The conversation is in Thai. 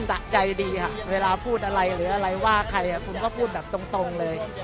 สะใจดีค่ะเวลาพูดอะไรหรืออะไรว่าใครคุณก็พูดแบบตรงเลย